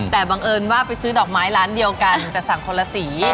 แต่บังเอิญว่าไปซื้อดอกไม้ร้านเดียวกันแต่สั่งคนละสี